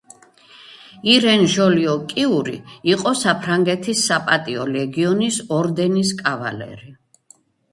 ირენ ჟოლიო-კიური იყო საფრანგეთის საპატიო ლეგიონის ორდენის კავალერი.